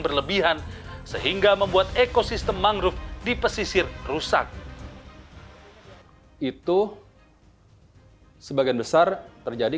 berlebihan sehingga membuat ekosistem mangrove di pesisir rusak itu sebagian besar terjadi